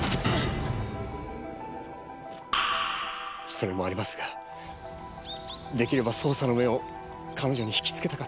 それもありますが出来れば捜査の目を彼女に引き付けたかった。